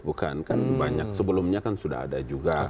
bukan kan banyak sebelumnya kan sudah ada juga